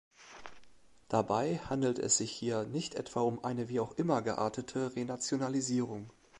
Dabei handelt es sich hier nicht etwa um eine wie auch immer geartete Renationalisierung.